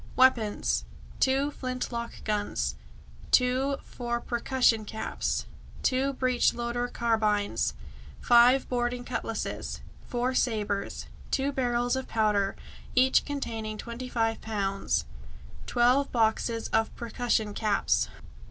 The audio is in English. Weapons: 2 flint lock guns, 2 for percussion caps, 2 breech loader carbines, 5 boarding cutlasses, 4 sabres, 2 barrels of powder, each containing twenty five pounds; 12 boxes of percussion caps.